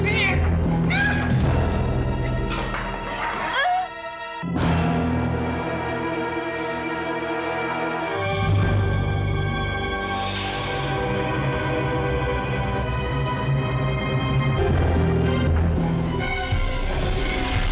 lepaskan handphone ku sini